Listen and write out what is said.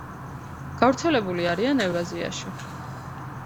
გავრცელებული არიან ევრაზიაში.